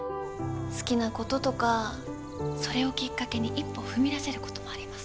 好きなこととかそれをきっかけに一歩踏み出せることもあります。